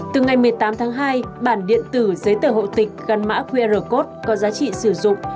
từ ngày một mươi tám tháng hai bản điện tử giấy tờ hộ tịch gắn mã qr code có giá trị sử dụng